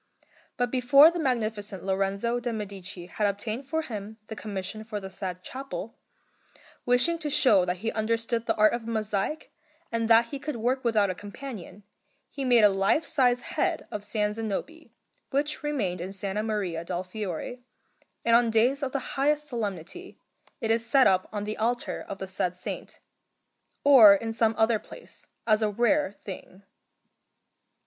But before the Magnificent Lorenzo de' Medici had obtained for him the commission for the said chapel, wishing to show that he understood the art of mosaic, and that he could work without a companion, he made a life size head of S. Zanobi, which remained in S. Maria del Fiore, and on days of the highest solemnity it is set up on the altar of the said Saint, or in some other place, as a rare thing.